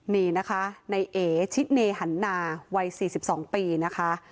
นี่นะคะนายเอกชิดเนฮันนาวัยสี่สิบสองปีนะคะ